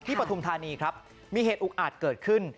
ปฐุมธานีครับมีเหตุอุกอาจเกิดขึ้น